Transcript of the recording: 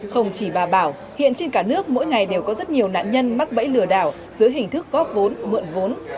không chỉ bà bảo hiện trên cả nước mỗi ngày đều có rất nhiều nạn nhân mắc bẫy lừa đảo dưới hình thức góp vốn mượn vốn